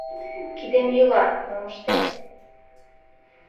Кидем йӱла - мом ыштем?